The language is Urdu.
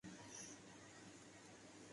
بینکنگ سے تعلق ہے۔